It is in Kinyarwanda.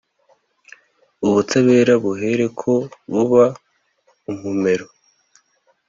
ubutabera buhere ko buba umumero!